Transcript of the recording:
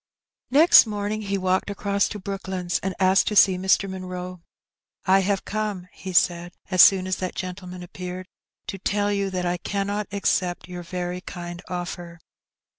Next morning he walked across to Brooklands, and asked to see Mr. Munroe. " I have come," he said, as soon as that gentleman appeared, "to tell you that I cannot accept your very kind oflfer.''